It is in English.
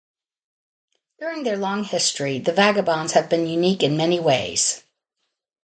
During their long history, the Vagabonds have been unique in many ways.